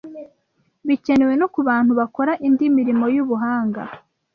bikenewe no ku bantu bakora indi mirimo y’ubuhanga